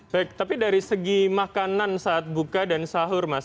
baik tapi dari segi makanan saat buka dan sahur mas